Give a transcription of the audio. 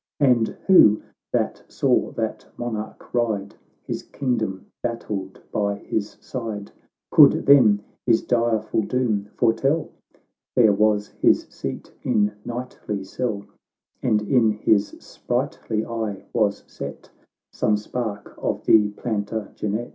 And who, that saw that monarch ride, His kingdom battled by his side, Could then his direful doom foretell !— Fair was his seat in knightly selle, And in his sprightly eye was set Some spark of the Plantagenet.